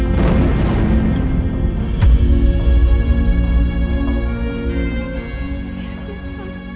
andin gak kebunuh roy